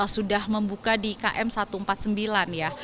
sudah membuka di km satu ratus empat puluh sembilan ya